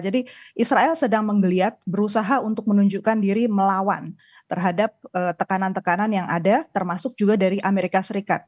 jadi israel sedang menggeliat berusaha untuk menunjukkan diri melawan terhadap tekanan tekanan yang ada termasuk juga dari amerika serikat